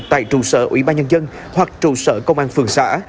tại trụ sở ủy ban nhân dân hoặc trụ sở công an phường xã